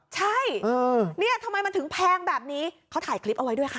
ใช่เนี่ยทำไมมันถึงแพงแบบนี้เขาถ่ายคลิปเอาไว้ด้วยค่ะ